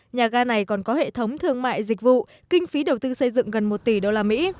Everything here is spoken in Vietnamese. nhà ga này còn có hệ thống thương mại dịch vụ kinh phí đầu tư xây dựng gần một tỷ usd